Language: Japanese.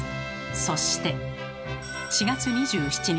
そして４月２７日